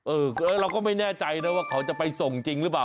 เราก็ไม่แน่ใจนะว่าเขาจะไปส่งจริงหรือเปล่า